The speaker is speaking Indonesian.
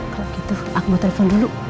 kalau gitu aku mau telepon dulu